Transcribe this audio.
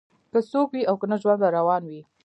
که څوک وي او کنه ژوند به روان وي